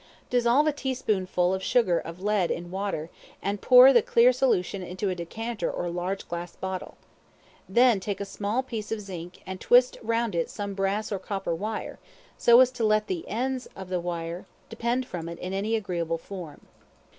Dissolve a tea spoonful of sugar of lead in water, and pour the clear solution into a decanter or large glass bottle. Then take a small piece of zinc, and twist round it some brass or copper wire, so as to let the ends of the wire depend from it in any agreeable form.